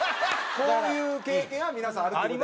こういう経験が皆さんあるという事で。